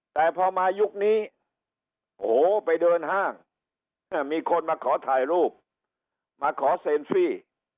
แต่พอมายุคนี้โอ้โหไปเดินห้างมีคนมาขอถ่ายรูปมาขอเซลฟี่